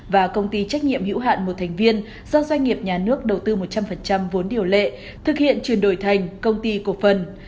và công ty trách nhiệm hữu hạn một thành viên do doanh nghiệp nhà nước đầu tư một trăm linh vốn điều lệ thực hiện chuyển đổi thành công ty cổ phần